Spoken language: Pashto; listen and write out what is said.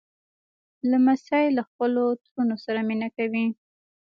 لمسی له خپلو ترونو سره مینه کوي.